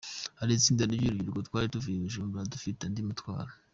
Hari itsinda ry’urubyiruko twari tuvuye i Bujumbura dufite andi matwara.